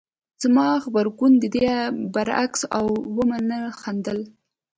زما غبرګون د دې برعکس و او ومې خندل